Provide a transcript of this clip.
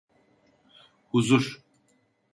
Huzur.